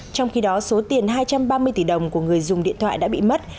trong khi đó số tiền hai trăm ba mươi tỷ đồng của người dùng điện thoại đã bị mất